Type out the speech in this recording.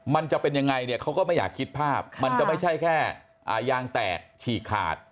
มันจะเป็นยังไงเนี่ยเขาก็ไม่อยากคิดภาพมันจะไม่ใช่แค่ยางแตกฉีกขาด